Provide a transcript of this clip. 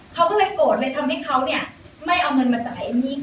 เขาก็เลยโกรธเลยทำให้เขาเนี่ยไม่เอาเงินมาจ่ายเอมมี่